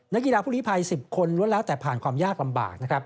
นักกีฬาผู้ลิภัย๑๐คนล้วนแล้วแต่ผ่านความยากลำบากนะครับ